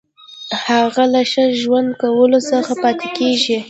هغه له ښه ژوند کولو څخه پاتې کیږي.